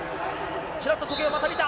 ちらっと時計をまた見た。